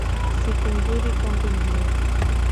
Siku nzuri kwangu ni leo